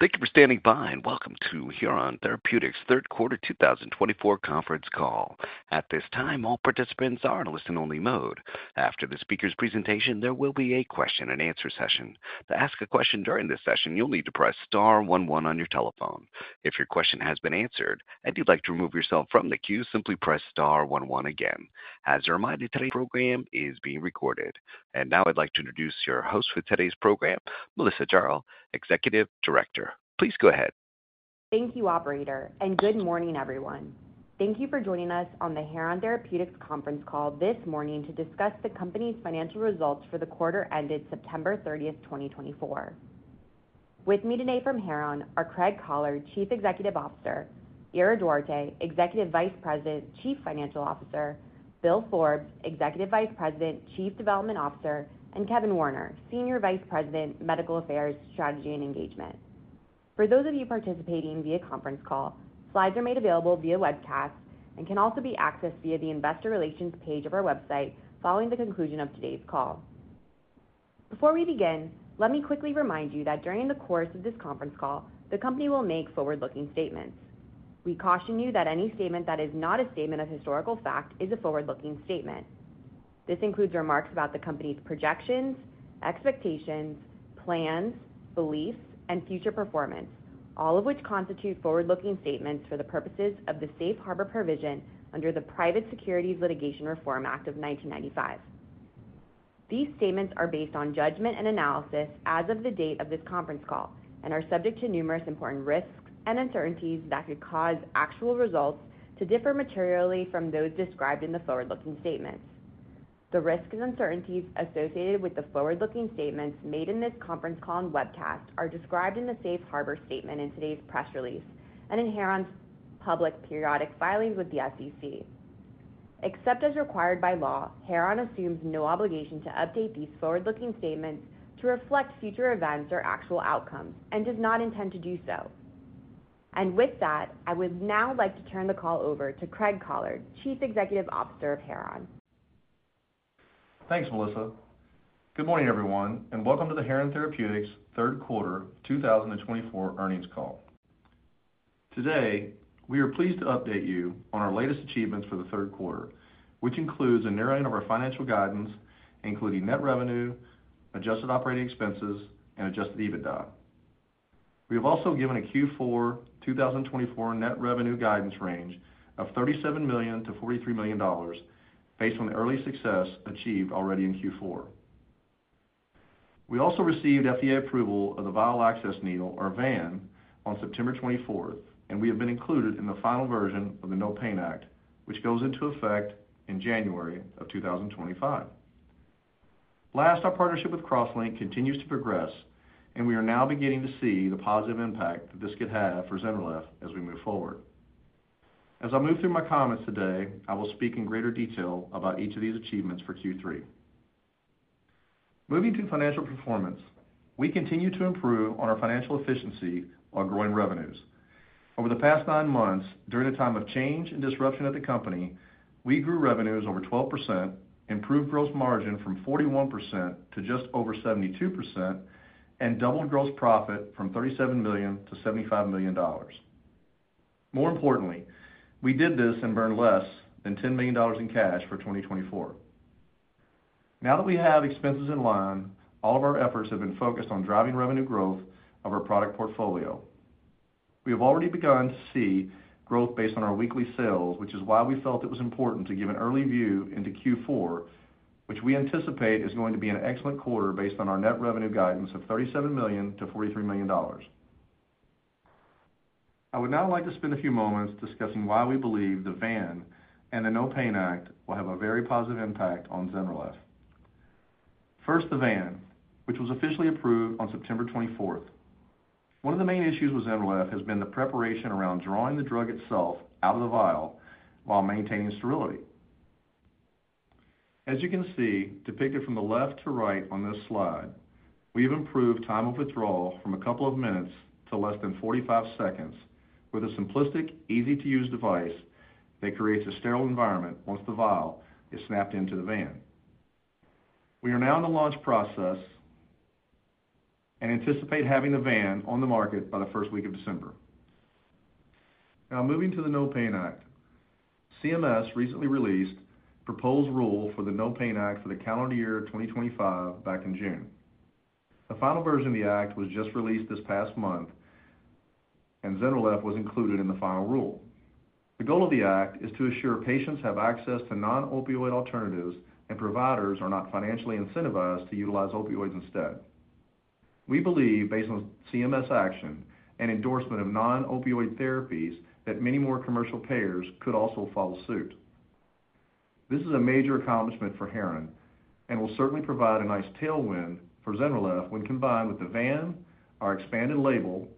Thank you for standing by and welcome to Heron Therapeutics' Q3 2024 conference call. At this time, all participants are in a listen-only mode. After the speaker's presentation, there will be a question-and-answer session. To ask a question during this session, you'll need to press star 11 on your telephone. If your question has been answered and you'd like to remove yourself from the queue, simply press star 11 again. As a reminder, today's program is being recorded. And now I'd like to introduce your host for today's program, Melissa Gerulitsky, Executive Director. Please go ahead. Thank you, Operator, and good morning, everyone. Thank you for joining us on the Heron Therapeutics conference call this morning to discuss the company's financial results for the quarter ended September 30th, 2024. With me today from Heron are Craig Collard, Chief Executive Officer, Ira Duarte, Executive Vice President, Chief Financial Officer, Bill Forbes, Executive Vice President, Chief Development Officer, and Kevin Warner, Senior Vice President, Medical Affairs, Strategy, and Engagement. For those of you participating via conference call, slides are made available via webcast and can also be accessed via the investor relations page of our website following the conclusion of today's call. Before we begin, let me quickly remind you that during the course of this conference call, the company will make forward-looking statements. We caution you that any statement that is not a statement of historical fact is a forward-looking statement. This includes remarks about the company's projections, expectations, plans, beliefs, and future performance, all of which constitute forward-looking statements for the purposes of the Safe Harbor Provision under the Private Securities Litigation Reform Act of 1995. These statements are based on judgment and analysis as of the date of this conference call and are subject to numerous important risks and uncertainties that could cause actual results to differ materially from those described in the forward-looking statements. The risks and uncertainties associated with the forward-looking statements made in this conference call and webcast are described in the Safe Harbor Statement in today's press release and in Heron's public periodic filings with the SEC. Except as required by law, Heron assumes no obligation to update these forward-looking statements to reflect future events or actual outcomes and does not intend to do so. With that, I would now like to turn the call over to Craig Collard, Chief Executive Officer of Heron. Thanks, Melissa. Good morning, everyone, and welcome to the Heron Therapeutics Q3 2024 earnings call. Today, we are pleased to update you on our latest achievements for the Q3, which includes a narrowing of our financial guidance, including net revenue, adjusted operating expenses, and adjusted EBITDA. We have also given a Q4 2024 net revenue guidance range of $37 million-$43 million based on the early success achieved already in Q4. We also received FDA approval of the vial access needle, or VAN, on September 24th, and we have been included in the final version of the NOPAIN Act, which goes into effect in January of 2025. Last, our partnership with CrossLink continues to progress, and we are now beginning to see the positive impact that this could have for Zynrelef as we move forward. As I move through my comments today, I will speak in greater detail about each of these achievements for Q3. Moving to financial performance, we continue to improve on our financial efficiency while growing revenues. Over the past nine months, during a time of change and disruption at the company, we grew revenues over 12%, improved gross margin from 41% to just over 72%, and doubled gross profit from $37 million to $75 million. More importantly, we did this and burned less than $10 million in cash for 2024. Now that we have expenses in line, all of our efforts have been focused on driving revenue growth of our product portfolio. We have already begun to see growth based on our weekly sales, which is why we felt it was important to give an early view into Q4, which we anticipate is going to be an excellent quarter based on our net revenue guidance of $37 million-$43 million. I would now like to spend a few moments discussing why we believe the VAN and the NOPAIN Act will have a very positive impact on Zynrelef. First, the VAN, which was officially approved on September 24th. One of the main issues with Zynrelef has been the preparation around drawing the drug itself out of the vial while maintaining sterility. As you can see depicted from the left to right on this slide, we have improved time of withdrawal from a couple of minutes to less than 45 seconds with a simplistic, easy-to-use device that creates a sterile environment once the vial is snapped into the VAN. We are now in the launch process and anticipate having the VAN on the market by the first week of December. Now, moving to the NOPAIN Act, CMS recently released a proposed rule for the NOPAIN Act for the calendar year 2025 back in June. The final version of the act was just released this past month, and Zynrelef was included in the final rule. The goal of the act is to assure patients have access to non-opioid alternatives and providers are not financially incentivized to utilize opioids instead. We believe, based on CMS action and endorsement of non-opioid therapies, that many more commercial payers could also follow suit. This is a major accomplishment for Heron and will certainly provide a nice tailwind for Zynrelef when combined with the VAN, our expanded label,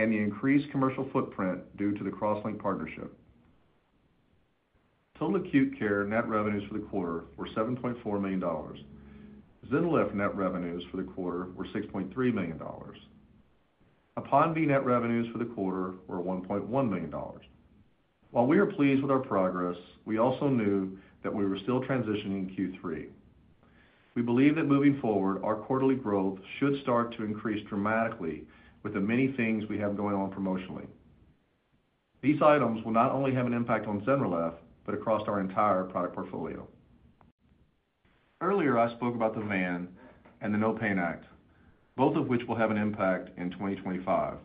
and the increased commercial footprint due to the CrossLink partnership. Total acute care net revenues for the quarter were $7.4 million. Zynrelef net revenues for the quarter were $6.3 million. Aponvie net revenues for the quarter were $1.1 million. While we are pleased with our progress, we also knew that we were still transitioning Q3. We believe that moving forward, our quarterly growth should start to increase dramatically with the many things we have going on promotionally. These items will not only have an impact on Zynrelef but across our entire product portfolio. Earlier, I spoke about the VAN and the NOPAIN Act, both of which will have an impact in 2025.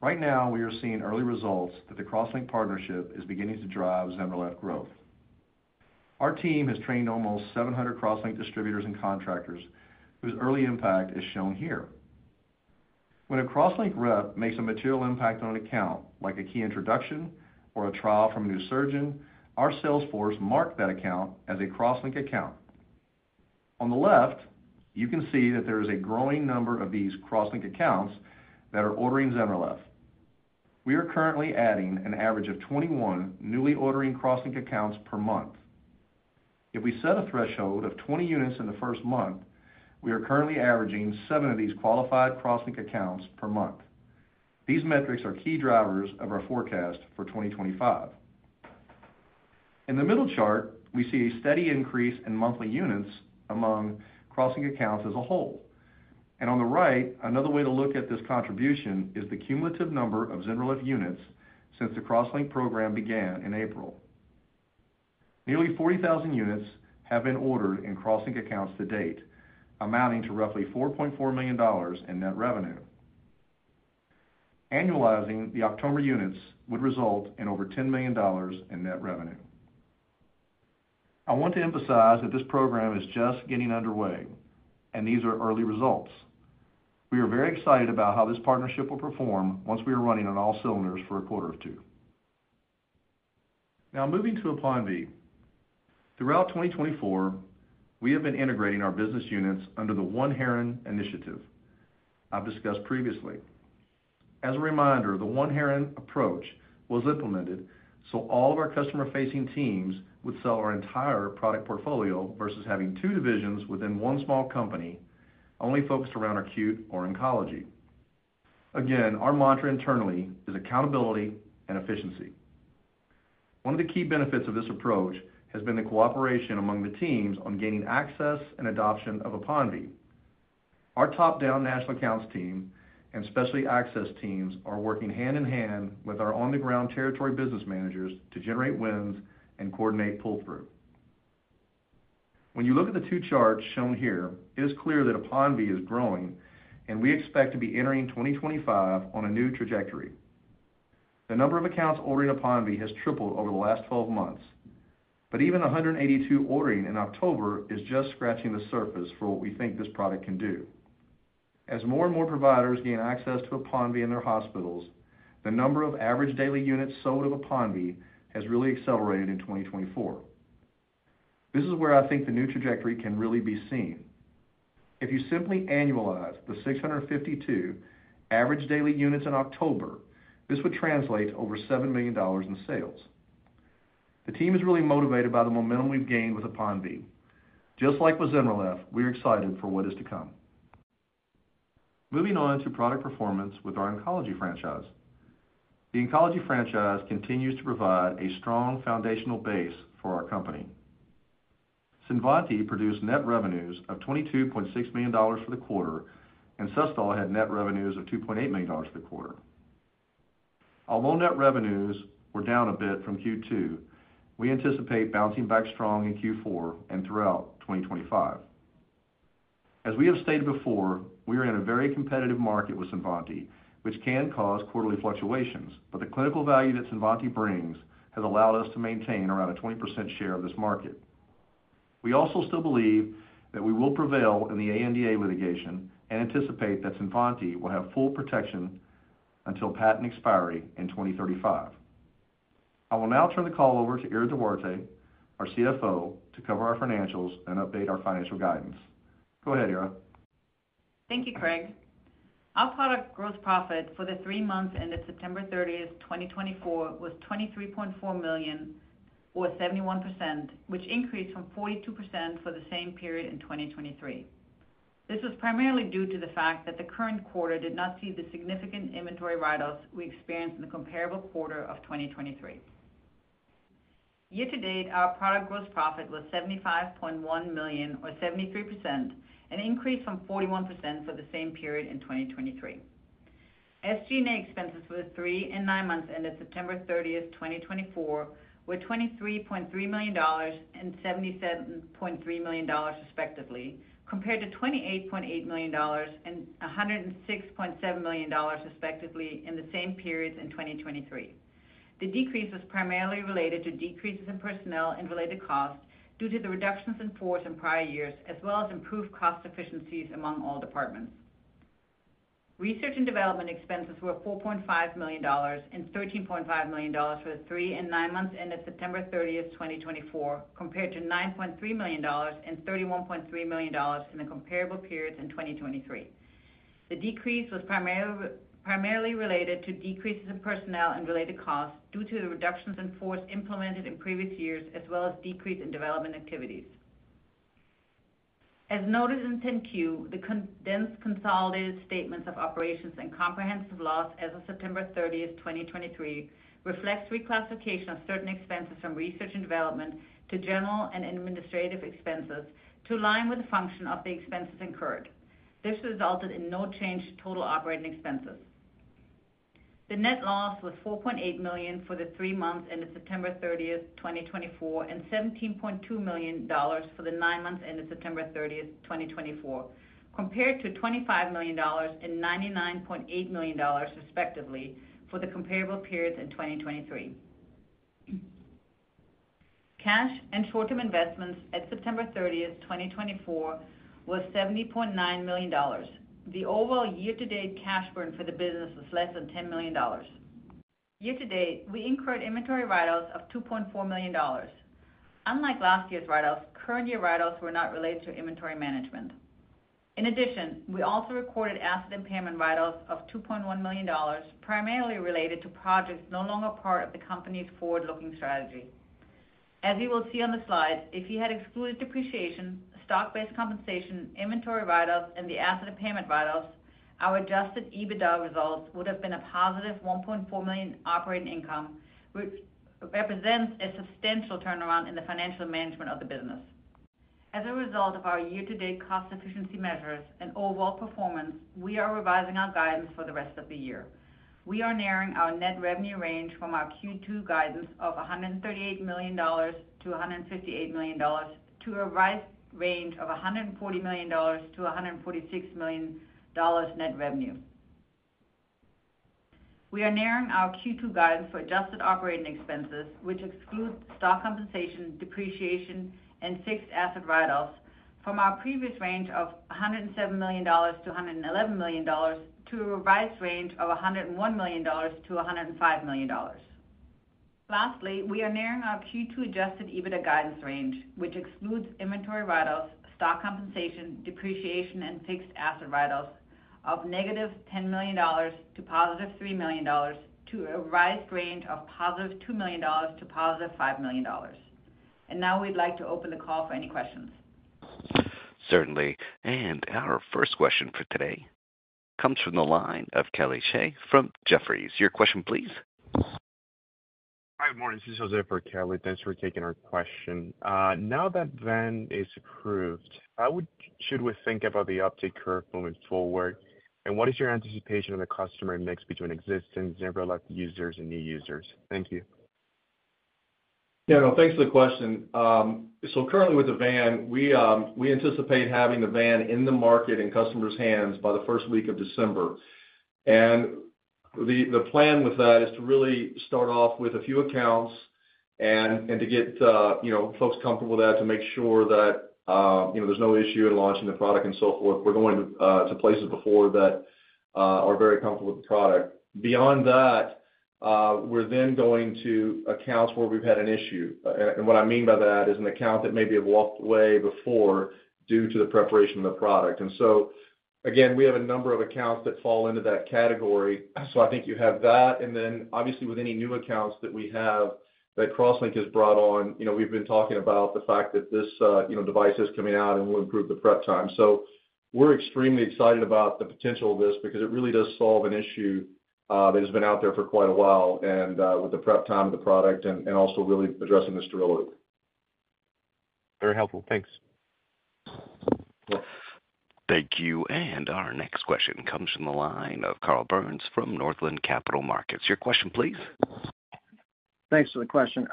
Right now, we are seeing early results that the CrossLink partnership is beginning to drive Zynrelef growth. Our team has trained almost 700 CrossLink distributors and contractors, whose early impact is shown here. When a CrossLink rep makes a material impact on an account, like a key introduction or a trial from a new surgeon, our sales force marks that account as a CrossLink account. On the left, you can see that there is a growing number of these CrossLink accounts that are ordering Zynrelef. We are currently adding an average of 21 newly ordering CrossLink accounts per month. If we set a threshold of 20 units in the first month, we are currently averaging seven of these qualified CrossLink accounts per month. These metrics are key drivers of our forecast for 2025. In the middle chart, we see a steady increase in monthly units among CrossLink accounts as a whole. And on the right, another way to look at this contribution is the cumulative number of Zynrelef units since the CrossLink program began in April. Nearly 40,000 units have been ordered in CrossLink accounts to date, amounting to roughly $4.4 million in net revenue. Annualizing the October units would result in over $10 million in net revenue. I want to emphasize that this program is just getting underway, and these are early results. We are very excited about how this partnership will perform once we are running on all cylinders for a quarter or two. Now, moving to Aponvie. Throughout 2024, we have been integrating our business units under the One Heron initiative I've discussed previously. As a reminder, the One Heron approach was implemented so all of our customer-facing teams would sell our entire product portfolio versus having two divisions within one small company only focused around acute or oncology. Again, our mantra internally is accountability and efficiency. One of the key benefits of this approach has been the cooperation among the teams on gaining access and adoption of Aponvie. Our top-down national accounts team and specialty access teams are working hand in hand with our on-the-ground territory business managers to generate wins and coordinate pull-through. When you look at the two charts shown here, it is clear that Aponvie is growing, and we expect to be entering 2025 on a new trajectory. The number of accounts ordering Aponvie has tripled over the last 12 months, but even 182 ordering in October is just scratching the surface fo r what we think this product can do. As more and more providers gain access to Aponvie in their hospitals, the number of average daily units sold of Aponvie has really accelerated in 2024. This is where I think the new trajectory can really be seen. If you simply annualize the 652 average daily units in October, this would translate to over $7 million in sales. The team is really motivated by the momentum we've gained with Aponvie. Just like with Zynrelef, we're excited for what is to come. Moving on to product performance with our oncology franchise. The oncology franchise continues to provide a strong foundational base for our company. Cinvanti produced net revenues of $22.6 million for the quarter, and Sustol had net revenues of $2.8 million for the quarter. Although net revenues were down a bit from Q2, we anticipate bouncing back strong in Q4 and throughout 2025. As we have stated before, we are in a very competitive market with Cinvanti, which can cause quarterly fluctuations, but the clinical value that Cinvanti brings has allowed us to maintain around a 20% share of this market. We also still believe that we will prevail in the ANDA litigation and anticipate that Cinvanti will have full protection until patent expiry in 2035. I will now turn the call over to Ira Duarte, our CFO, to cover our financials and update our financial guidance. Go ahead, Ira. Thank you, Craig. Our product gross profit for the three months ended September 30th, 2024, was $23.4 million, or 71%, which increased from 42% for the same period in 2023. This was primarily due to the fact that the current quarter did not see the significant inventory riders we experienced in the comparable quarter of 2023. Year to date, our product gross profit was $75.1 million, or 73%, an increase from 41% for the same period in 2023. SG&A expenses for the three and nine months ended September 30th, 2024, were $23.3 million and $77.3 million, respectively, compared to $28.8 million and $106.7 million, respectively, in the same periods in 2023. The decrease was primarily related to decreases in personnel and related costs due to the reductions in force in prior years, as well as improved cost efficiencies among all departments. Research and development expenses were $4.5 million and $13.5 million for the three and nine months ended September 30th, 2024, compared to $9.3 million and $31.3 million in the comparable periods in 2023. The decrease was primarily related to decreases in personnel and related costs due to the reductions in force implemented in previous years, as well as decreases in development activities. As noted in 10-Q, the condensed consolidated statements of operations and comprehensive loss as of September 30th, 2023, reflects reclassification of certain expenses from research and development to general and administrative expenses to align with the function of the expenses incurred. This resulted in no change to total operating expenses. The net loss was $4.8 million for the three months ended September 30th, 2024, and $17.2 million for the nine months ended September 30th, 2024, compared to $25 million and $99.8 million, respectively, for the comparable periods in 2023. Cash and short-term investments at September 30th, 2024, were $70.9 million. The overall year-to-date cash burn for the business was less than $10 million. Year to date, we incurred inventory write-downs of $2.4 million. Unlike last year's write-downs, current year write-downs were not related to inventory management. In addition, we also recorded asset impairment write-downs of $2.1 million, primarily related to projects no longer part of the company's forward-looking strategy. As you will see on the slide, if you had excluded depreciation, stock-based compensation, inventory write-downs, and the asset impairment write-downs, our adjusted EBITDA results would have been a positive $1.4 million operating income, which represents a substantial turnaround in the financial management of the business. As a result of our year-to-date cost efficiency measures and overall performance, we are revising our guidance for the rest of the year. We are narrowing our net revenue range from our Q2 guidance of $138 million-$158 million to a revised range of $140 million-$146 million net revenue. We are narrowing our Q2 guidance for adjusted operating expenses, which excludes stock compensation, depreciation, and fixed asset write-downs, from our previous range of $107 million-$111 million to a revised range of $101 million-$105 million. Lastly, we are narrowing our Q2 adjusted EBITDA guidance range, which excludes inventory write-offs, stock compensation, depreciation, and fixed asset write-offs of negative $10 million to positive $3 million to a revised range of positive $2 million to positive $5 million. Now we'd like to open the call for any questions. Certainly. And our first question for today comes from the line of Kelly Shi from Jefferies. Your question, please. Hi, good morning. This is Jose for Kelly. Thanks for taking our question. Now that VAN is approved, how should we think about the uptick curve moving forward? And what is your anticipation of the customer mix between existing Zynrelef users and new users? Thank you. Yeah, no, thanks for the question. So currently with the VAN, we anticipate having the VAN in the market in customers' hands by the first week of December. And the plan with that is to really start off with a few accounts and to get folks comfortable with that to make sure that there's no issue in launching the product and so forth. We're going to places before that are very comfortable with the product. Beyond that, we're then going to accounts where we've had an issue. And what I mean by that is an account that maybe have walked away before due to the preparation of the product. And so, again, we have a number of accounts that fall into that category. So I think you have that. And then, obviously, with any new accounts that we have that CrossLink has brought on, we've been talking about the fact that this device is coming out and will improve the prep time. So we're extremely excited about the potential of this because it really does solve an issue that has been out there for quite a while with the prep time of the product and also really addressing the sterility. Very helpful. Thanks. Thank you. And our next question comes from the line of Carl Byrnes from Northland Capital Markets. Your question, please. Thanks for the question.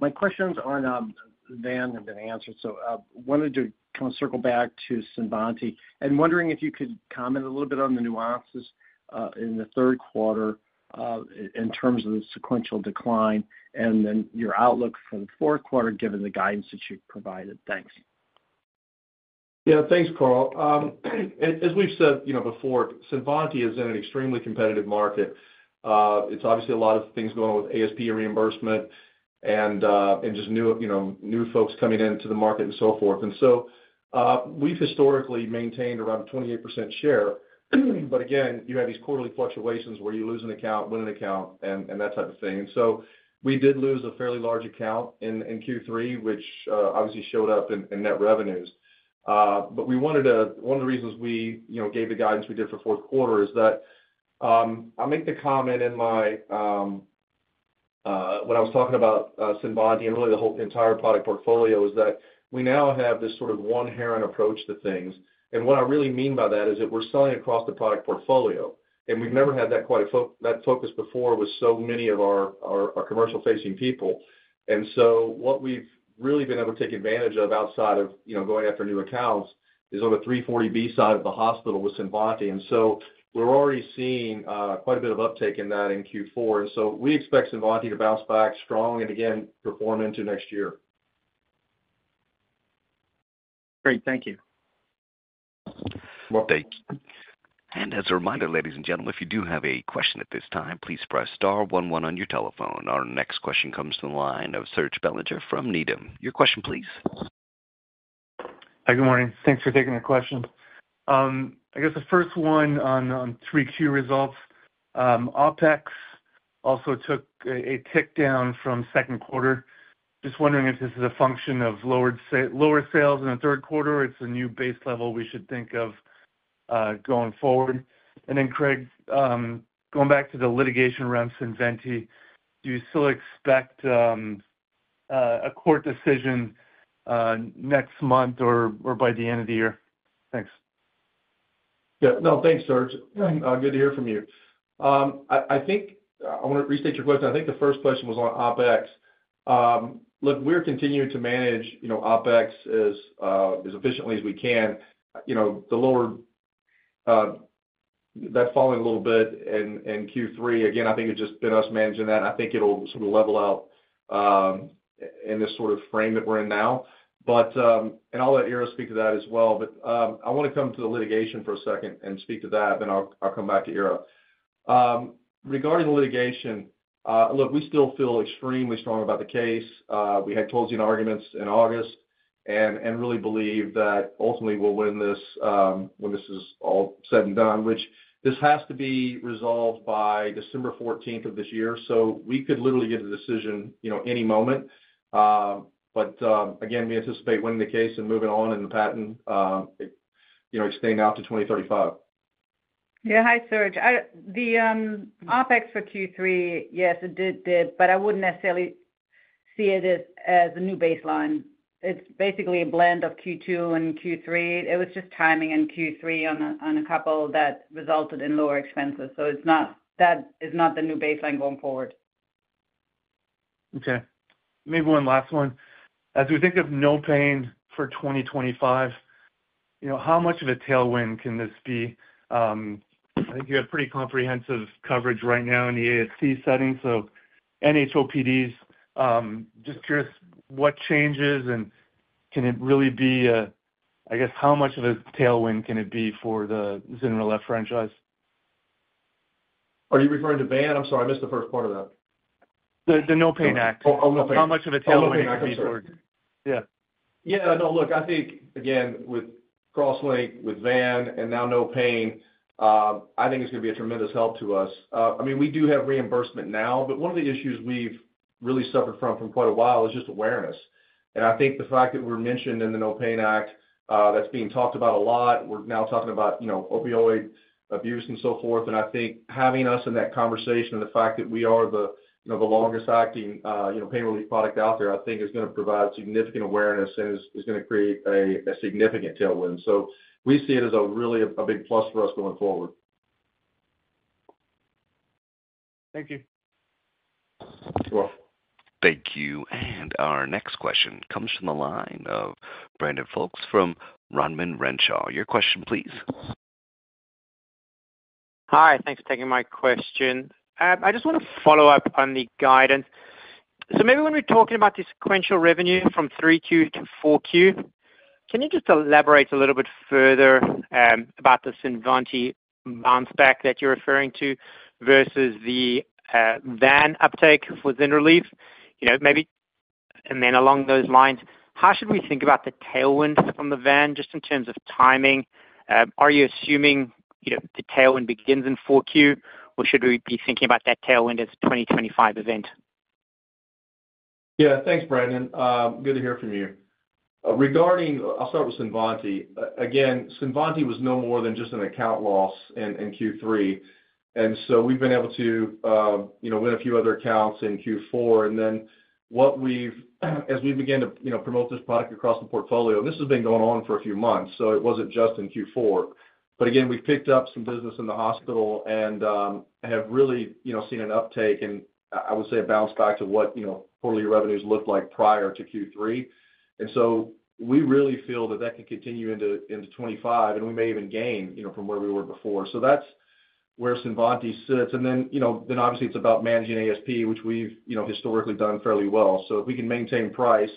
My questions on VAN have been answered, so I wanted to kind of circle back to Cinvanti and wondering if you could comment a little bit on the nuances in the Q3 in terms of the sequential decline and then your outlook for the Q4 given the guidance that you've provided? Thanks. Yeah, thanks, Carl. As we've said before, CINVANTI is in an extremely competitive market. It's obviously a lot of things going on with ASP reimbursement and just new folks coming into the market and so forth. And so we've historically maintained around a 28% share. But again, you have these quarterly fluctuations where you lose an account, win an account, and that type of thing. And so we did lose a fairly large account in Q3, which obviously showed up in net revenues. But one of the reasons we gave the guidance we did for Q4 is that I'll make the comment in my when I was talking about CINVANTI and really the whole entire product portfolio is that we now have this sort of one-Heron approach to things. And what I really mean by that is that we're selling across the product portfolio. We've never had that focus before with so many of our commercial-facing people. What we've really been able to take advantage of outside of going after new accounts is on the 340B side of the hospital with CINVANTI. We're already seeing quite a bit of uptake in that in Q4. We expect CINVANTI to bounce back strong and, again, perform into next year. Great. Thank you. Thank you. And as a reminder, ladies and gentlemen, if you do have a question at this time, please press star 11 on your telephone. Our next question comes from the line of Serge Belanger from Needham. Your question, please. Hi, good morning. Thanks for taking the question. I guess the first one on 3Q results. OpEx also took a tick down from Q2. Just wondering if this is a function of lower sales in the Q3. It's a new base level we should think of going forward. And then, Craig, going back to the litigation around Cinvanti, do you still expect a court decision next month or by the end of the year? Thanks. Yeah. No, thanks, Serge. Good to hear from you. I want to restate your question. I think the first question was on OpEx. Look, we're continuing to manage OpEx as efficiently as we can. That falling a little bit in Q3, again, I think it's just been us managing that. I think it'll sort of level out in this sort of frame that we're in now, and I'll let Ira speak to that as well, but I want to come to the litigation for a second and speak to that, then I'll come back to Ira. Regarding the litigation, look, we still feel extremely strong about the case. We had closing arguments in August and really believe that ultimately we'll win this when this is all said and done, which this has to be resolved by December 14th of this year, so we could literally get a decision any moment. But again, we anticipate winning the case and moving on in the patent extending out to 2035. Yeah. Hi, Serge. The OpEx for Q3, yes, it did, but I wouldn't necessarily see it as a new baseline. It's basically a blend of Q2 and Q3. It was just timing in Q3 on a couple that resulted in lower expenses. So that is not the new baseline going forward. Okay. Maybe one last one. As we think of NOPAIN for 2025, how much of a tailwind can this be? I think you have pretty comprehensive coverage right now in the ASC setting. So, NOPAIN, just curious what changes and can it really be, I guess, how much of a tailwind can it be for the Zynrelef franchise? Are you referring to VAN? I'm sorry, I missed the first part of that. The NOPAIN Act. Oh, NOPAIN Act. How much of a tailwind can it be for? Yeah. Yeah. No, look, I think, again, with CrossLink, with VAN, and now No Pain, I think it's going to be a tremendous help to us. I mean, we do have reimbursement now, but one of the issues we've really suffered from for quite a while is just awareness. And I think the fact that we're mentioned in the NOPAIN Act, that's being talked about a lot. We're now talking about opioid abuse and so forth. And I think having us in that conversation and the fact that we are the longest-acting pain relief product out there, I think is going to provide significant awareness and is going to create a significant tailwind. So we see it as really a big plus for us going forward. Thank you. You're welcome. Thank you. And our next question comes from the line of Brandon Folkes from Rodman & Renshaw. Your question, please. Hi. Thanks for taking my question. I just want to follow up on the guidance. So maybe when we're talking about the sequential revenue from 3Q to 4Q, can you just elaborate a little bit further about the CINVANTI bounce back that you're referring to versus the VAN uptake for ZYNRELEF? Maybe. And then along those lines, how should we think about the tailwind from the VAN just in terms of timing? Are you assuming the tailwind begins in 4Q, or should we be thinking about that tailwind as a 2025 event? Yeah. Thanks, Brandon. Good to hear from you. I'll start with Cinvanti. Again, Cinvanti was no more than just an account loss in Q3. And so we've been able to win a few other accounts in Q4. And then as we began to promote this product across the portfolio, and this has been going on for a few months, so it wasn't just in Q4. But again, we picked up some business in the hospital and have really seen an uptake, and I would say a bounce back to what quarterly revenues looked like prior to Q3. And so we really feel that that can continue into 2025, and we may even gain from where we were before. So that's where Cinvanti sits. And then obviously, it's about managing ASP, which we've historically done fairly well. So if we can maintain price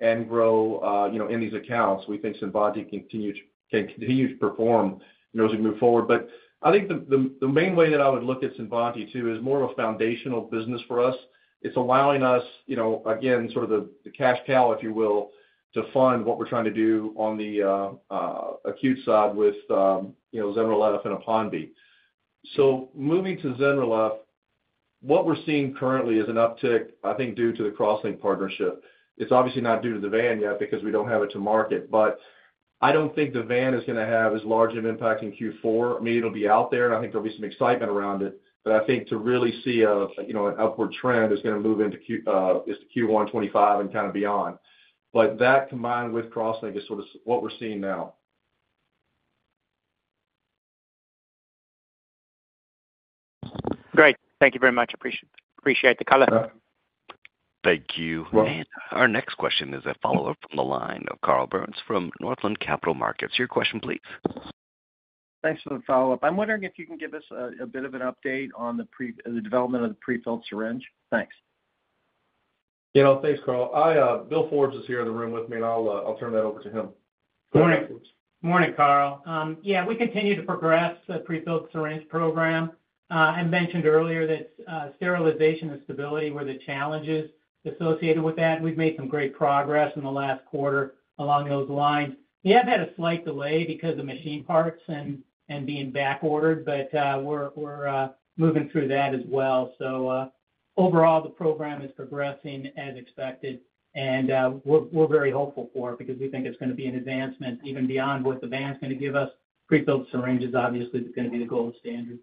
and grow in these accounts, we think Cinvanti can continue to perform as we move forward. But I think the main way that I would look at Cinvanti too is more of a foundational business for us. It's allowing us, again, sort of the cash cow, if you will, to fund what we're trying to do on the acute side with Zynrelef and Aponvie. So moving to Zynrelef, what we're seeing currently is an uptick, I think, due to the CrossLink partnership. It's obviously not due to the VAN yet because we don't have it to market. But I don't think the VAN is going to have as large an impact in Q4. I mean, it'll be out there, and I think there'll be some excitement around it. But I think to really see an upward trend is going to move into Q1 2025, and kind of beyond. But that combined with CrossLink is sort of what we're seeing now. Great. Thank you very much. Appreciate the color. Thank you. And our next question is a follow-up from the line of Carl Byrnes from Northland Capital Markets. Your question, please. Thanks for the follow-up. I'm wondering if you can give us a bit of an update on the development of the prefilled syringe? Thanks. Thanks, Carl. Bill Forbes is here in the room with me, and I'll turn that over to him. Good morning. Good morning, Carl. Yeah, we continue to progress the prefilled syringe program. I mentioned earlier that sterilization and stability were the challenges associated with that. We've made some great progress in the last quarter along those lines. We have had a slight delay because of machine parts and being backordered, but we're moving through that as well. So overall, the program is progressing as expected, and we're very hopeful for it because we think it's going to be an advancement even beyond what the VAN is going to give us. Prefilled syringe is obviously going to be the gold standard.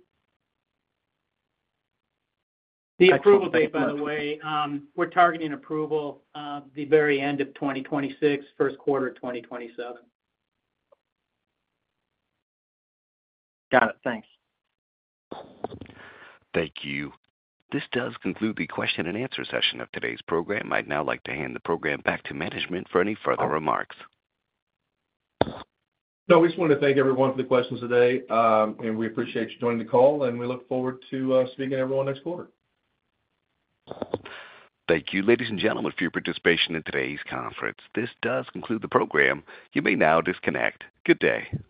The approval date, by the way, we're targeting approval the very end of 2026, Q1 of 2027. Got it. Thanks. Thank you. This does conclude the question-and-answer session of today's program. I'd now like to hand the program back to management for any further remarks. No, we just wanted to thank everyone for the questions today, and we appreciate you joining the call, and we look forward to speaking to everyone next quarter. Thank you, ladies and gentlemen, for your participation in today's conference. This does conclude the program. You may now disconnect. Good day.